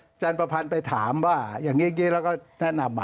อาจารย์ประพันธ์ไปถามว่าอย่างนี้เราก็แนะนำมา